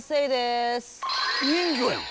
人魚やん！